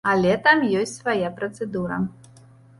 Але там ёсць свая працэдура.